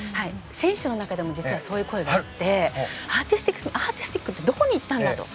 選手の中でも実はそういう声があってアーティスティックってどこに行ったんだろう。